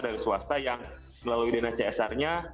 dari swasta yang melalui dana csr nya